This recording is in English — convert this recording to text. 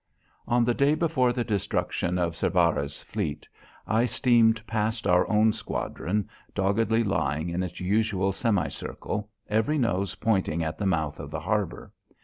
On the day before the destruction of Cervera's fleet, I steamed past our own squadron, doggedly lying in its usual semicircle, every nose pointing at the mouth of the harbour.